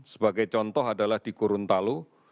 sebagai contoh adalah di gorontalo